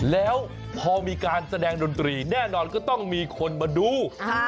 แล้วพอมีการแสดงดนตรีแน่นอนก็ต้องมีคนมาดู